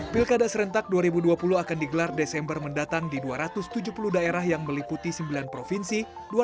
pilkada serentak dua ribu dua puluh akan digelar desember mendatang di dua ratus tujuh puluh daerah yang meliputi sembilan provinsi